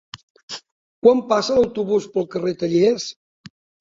Quan passa l'autobús pel carrer Tallers?